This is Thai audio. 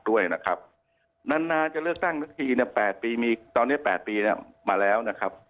ด้วยนะครับนานนานจะเลือกตั้งสักทีเนี่ย๘ปีมีตอนนี้๘ปีเนี่ยมาแล้วนะครับ